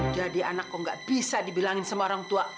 jadi anak kau nggak bisa dibilangin sama orang tua